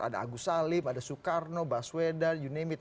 ada agus salim ada soekarno baswedan you name it